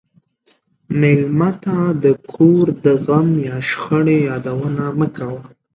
مېلمه ته د کور د غم یا شخړې یادونه مه کوه.